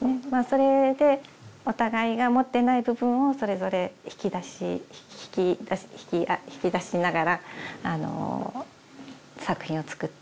それでお互いが持っていない部分をそれぞれ引き出し引き出しながら作品を作っていったと思います。